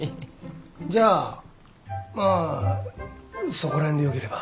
じゃあまあそこら辺でよければ。